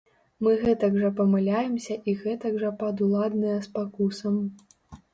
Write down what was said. Мы гэтак жа памыляемся і гэтак жа падуладныя спакусам.